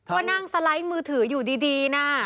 ก็นั่งสไลด์มือถืออยู่ดีนะ